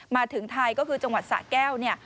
มาถึงไทยก็คือจังหวัดสระแก้ว